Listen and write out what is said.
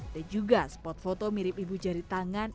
dan juga spot foto mirip ibu jari tangan